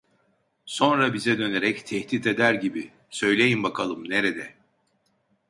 Sonra bize dönerek tehdit eder gibi: "Söyleyin bakayım, nerede?".